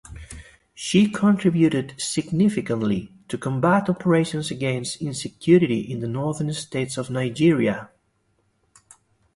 She contributed significantly to combat operations against insecurity in the northern states of Nigeria.